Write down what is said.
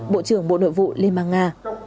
bộ trưởng bộ nội vụ liên bang nga